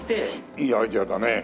いいアイデアだね。